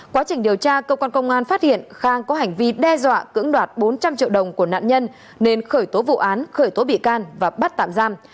quá trình điều tra cơ quan công an phát hiện khang có hành vi đe dọa cưỡng đoạt bốn trăm linh triệu đồng của nạn nhân nên khởi tố vụ án khởi tố bị can và bắt tạm giam